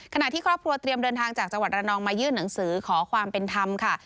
ที่ครอบครัวเตรียมเดินทางจากจังหวัดระนองมายื่นหนังสือขอความเป็นธรรมค่ะ